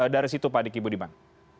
dari situ pak diki budiman